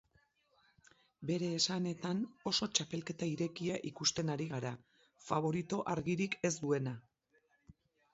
Bere esanetan oso txapelketa irekia ikusten ari gara, faborito argirik ez duena.